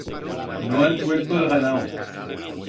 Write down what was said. No han suelto el ganau.